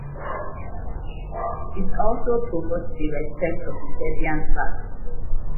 It also promotes the respect of the Serbian flags.